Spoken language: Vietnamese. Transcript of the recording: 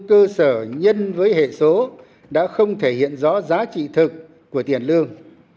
quy định mức lương bằng mức lương cơ sở nhân với hệ số đã không thể hiện rõ giá trị thực của tiền lương